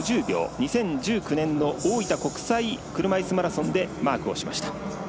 ２０１９年の大分国際車いすマラソンでマークしました。